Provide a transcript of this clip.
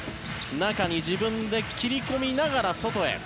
中に自分で切り込みながら外へ。